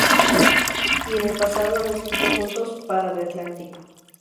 Y, en el pasado, han escrito juntos para "The Atlantic".